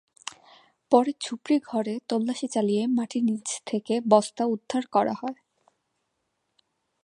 পরে ঝুপড়ি ঘরে তল্লাশি চালিয়ে মাটির নিচ থেকে বস্তা উদ্ধার করা হয়।